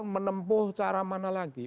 menempuh cara mana lagi